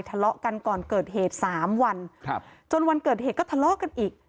ทะเลาะกันก่อนเกิดเหตุสามวันครับจนวันเกิดเหตุก็ทะเลาะกันอีก